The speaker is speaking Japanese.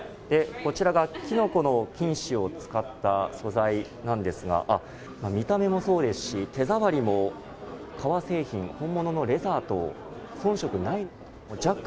こちらがキノコの菌糸を使った素材なんですが見た目もそうですし手触りも革製品本物のレザーと遜色がありません。